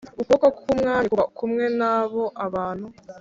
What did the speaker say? Ukuboko k umwami kuba kumwe na bo abantu